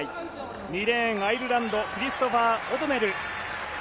２レーン、アイルランドクリストファー・オドネル。